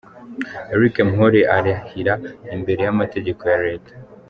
Eric Mpore arahira imbere y'amategeko ya Leta.